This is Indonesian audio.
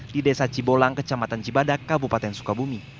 di desa cibolang kecamatan cibadak kabupaten sukabumi